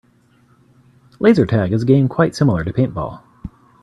Laser tag is a game quite similar to paintball.